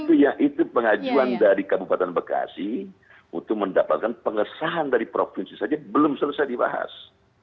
itu ya itu pengajuan dari kabupaten bekasi untuk mendapatkan pengesahan dari provinsi saja belum selesai dibahas